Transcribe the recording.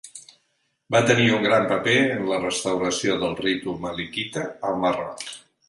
Va tenir un gran paper en la restauració del ritu malikita al Marroc.